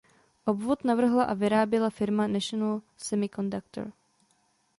Obvod navrhla a vyráběla firma National Semiconductor.